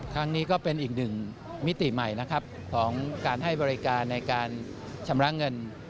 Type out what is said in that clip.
ครั้งนี้ก็เป็นอีกหนึ่งมิติใหม่นะครับของการให้บริการในการชำระเงิน